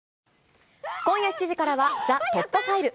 今夜７時からは、ＴＨＥ突破ファイル。